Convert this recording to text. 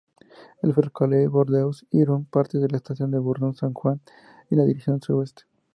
El ferrocarril Burdeos-Irún parte de Estación de Burdeos-San Juan en dirección suroeste.